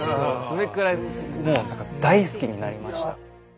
それくらいもう大好きになりました。